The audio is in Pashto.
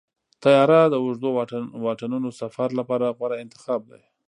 طیاره د اوږدو واټنونو سفر لپاره غوره انتخاب دی.